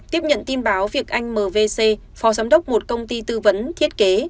tiếp nhận tin báo việc anh mvc phó giám đốc một công ty tư vấn thiết kế